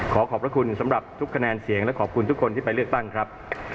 ขอขอบพระคุณสำหรับทุกคะแนนเสียงและขอบคุณทุกคนที่ไปเลือกตั้งครับ